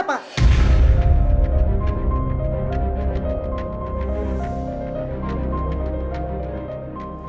semua karena elsa